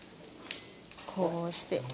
こうして。